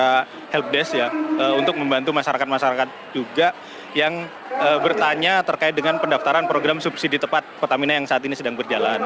kita helpdesk ya untuk membantu masyarakat masyarakat juga yang bertanya terkait dengan pendaftaran program subsidi tepat pertamina yang saat ini sedang berjalan